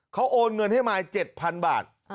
เขาโอนเงินให้มาย๗๐๐บาท